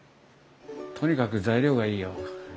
とにかく材料がいいよ。